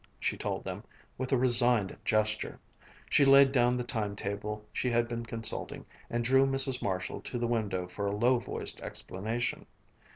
she told them, with a resigned gesture. She laid down the time table she had been consulting and drew Mrs. Marshall to the window for a low voiced explanation.